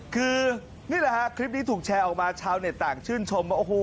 คืองี้แล้วครับคลิปนี้ถูกแชร์ออกมาชาวเน็ตต่างชื่นชม